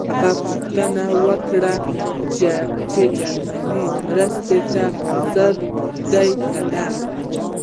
هغه پوښتنه وکړه چې جرمني مرستې ته حاضر دی کنه.